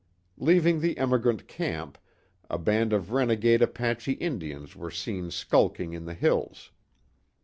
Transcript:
Leaving the emigrant camp, a band of renegade Apache Indians were seen skulking in the hills.